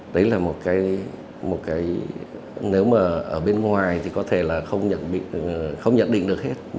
đấy là một cái nếu mà ở bên ngoài thì có thể là không nhận định được hết